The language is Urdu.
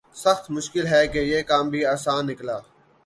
سخت مشکل ہے کہ یہ کام بھی آساں نکلا